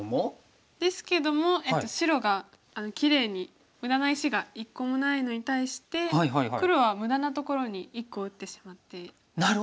ですけども白がきれいに無駄な石が１個もないのに対して黒は無駄なところに１個打ってしまっているんですね。